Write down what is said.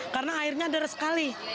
karena airnya deras sekali